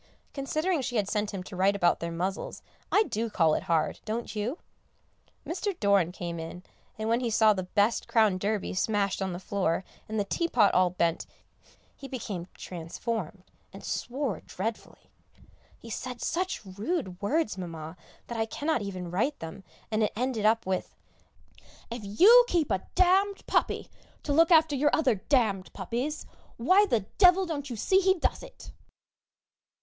Considering she had sent him to write about their muzzles, I do call it hard, don't you? Mr. Doran came in, and when he saw the best Crown Derby smashed on the floor, and the teapot all bent, he became quite transformed, and swore dreadfully. He said such rude words, Mamma, that I cannot even write them, and it ended up with, "If you keep a d d puppy to look after your other d d puppies, why the devil don't you see he does it!"